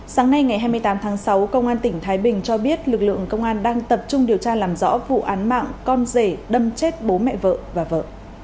sáng nay ngày hai mươi tám tháng sáu công an tỉnh thái bình cho biết lực lượng công an đang tập trung điều tra làm rõ vụ án mạng con rể đâm chết bố mẹ vợ và vợ